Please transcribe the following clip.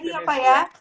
sehat selalu pak